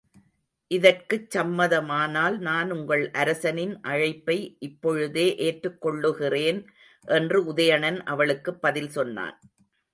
இதற்குச் சம்மதமானால் நான் உங்கள் அரசனின் அழைப்பை இப்பொழுதே ஏற்றுக் கொள்ளுகின்றேன் என்று உதயணன் அவளுக்குப் பதில் சொன்னான்.